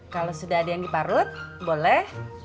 kalau sudah ada yang diparut boleh